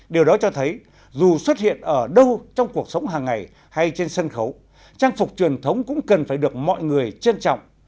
điều đó cho thấy dù xuất hiện ở đâu trong cuộc sống hàng ngày hay trên sân khấu trang phục truyền thống cũng cần phải được mọi người trân trọng